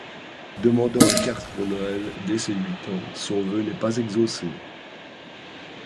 Demandant un kart pour Noël dès ses huit ans, son vœu n'est pas exaucé.